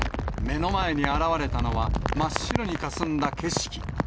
目の前に現れたのは、真っ白にかすんだ景色。